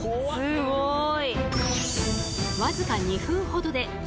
すごい。